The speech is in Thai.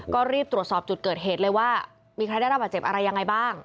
ก็รีบตรวจสอบจุดเกิดเหตุเลยว่ามีใครได้รับบาดเจ็บอะไรยังไงบ้าง